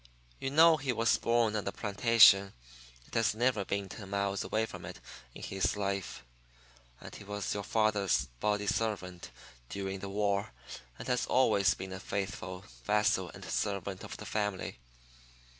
You know he was born on the plantation, and has never been ten miles away from it in his life. And he was your father's body servant during the war, and has been always a faithful vassal and servant of the family.